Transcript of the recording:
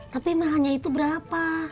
tapi mahalnya itu berapa